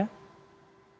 ya kalau kita lihat